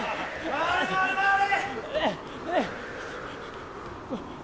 回れ、回れ、回れ！